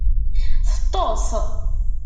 Teṭṭes.